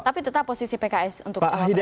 tapi tetap posisi pks untuk jawabannya sudah